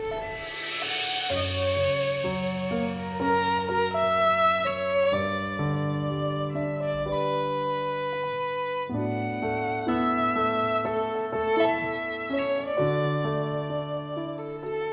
masa yang kebelakangan aku